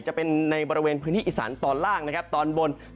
จะเป็นในบริเวณพื้นที่อีสานตอนล่างนะครับตอนบน